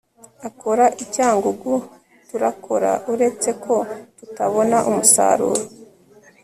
akora i cyangugu. turakora uretse ko tutabona umusaruro